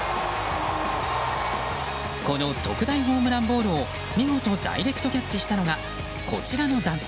この特大ホームランボールを見事ダイレクトキャッチしたのがこちらの男性。